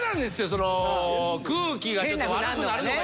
その空気がちょっと悪くなるのが嫌なんで。